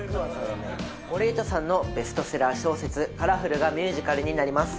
森絵都さんのベストセラー小説『カラフル』がミュージカルになります。